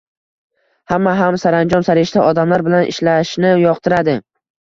Hamma ham saranjom-sarishta odamlar bilan ishlashni yoqtiradi.